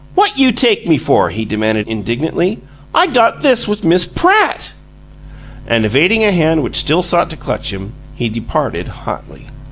"What you take me for?" he demanded, indignantly. "I got this with Miss PRATT!" And evading a hand which still sought to clutch him, he departed hotly.